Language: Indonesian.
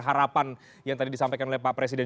harapan yang tadi disampaikan oleh pak presiden